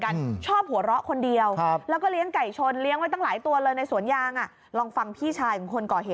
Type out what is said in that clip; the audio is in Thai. เขาเคยมีประวัติการทำร้ายพ่อแบบนี้ไหม